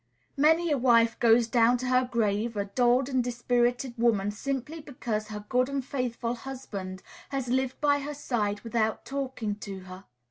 Many a wife goes down to her grave a dulled and dispirited woman simply because her good and faithful husband has lived by her side without talking to her!